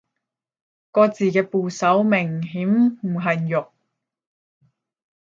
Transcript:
個字嘅部首明顯唔係肉